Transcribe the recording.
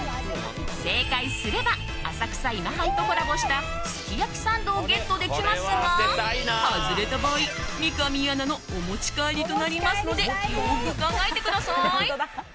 正解すれば浅草今半とコラボしたすき焼きサンドをゲットできますが外れた場合、三上アナのお持ち帰りとなりますのでよーく考えてください！